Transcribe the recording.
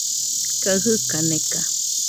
kaɨ jɨka neka